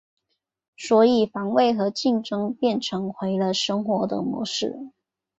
所以防卫和竞争便成为了生活的模式。